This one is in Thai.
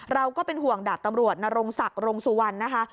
เราก็เป็นห่วงดาบตำรวจนรงศักดิ์รงสุวรรณนะคะ